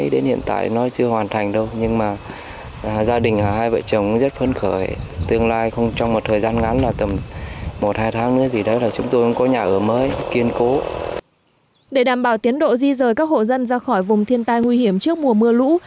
để đảm bảo tiến độ di rời các hộ dân ra khỏi vùng thiên tai nguy hiểm trước mùa mưa lũ